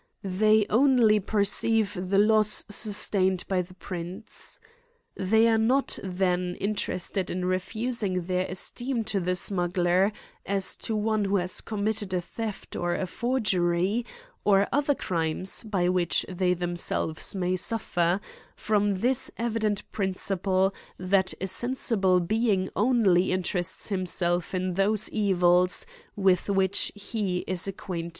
They only perceive the loss sustained by the prince. They are not then interested in refusing their es teem to the smuggler, as to one who has commit ted a theft or a forgery, or other crimes, by which they themselves may suffer, from this evident principle, that a sensible being only interests him self in those evils with which he is acquainted.